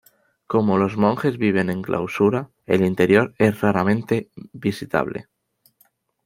Como los monjes viven en clausura, el interior es raramente visitable.